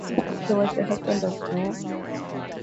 He was the husband of Oya.